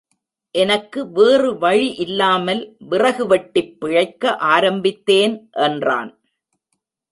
எனக்கு வேறு வழி இல்லாமல்விறகு வெட்டிப் பிழைக்க ஆரம்பித்தேன் என்றான்.